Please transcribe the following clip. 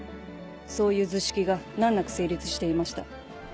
そういう図式が難なく成立していました。